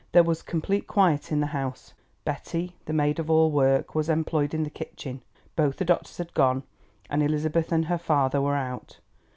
There was complete quiet in the house; Betty, the maid of all work, was employed in the kitchen, both the doctors had gone, and Elizabeth and her father were out.